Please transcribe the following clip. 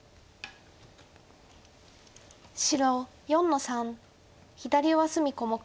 白４の三左上隅小目。